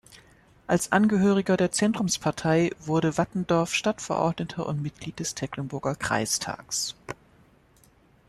Als Angehöriger der Zentrumspartei wurde Wattendorf Stadtverordneter und Mitglied des Tecklenburger Kreistags.